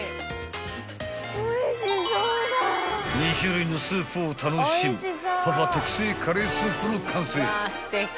［２種類のスープを楽しむパパ特製カレースープの完成］